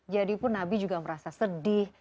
jadi pun nabi juga merasa sedih